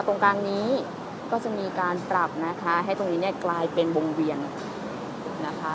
ตรงกลางนี้ก็จะมีการปรับนะคะให้ตรงนี้เนี่ยกลายเป็นวงเวียนนะคะ